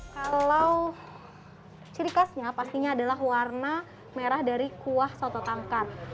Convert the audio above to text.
kalau ciri khasnya pastinya adalah warna merah dari kuah soto tangkar